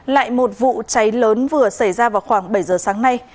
lại một vụ cháy lớn vừa xảy ra vào khoảng bảy giờ sáng nay